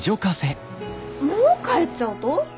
もう帰っちゃうと？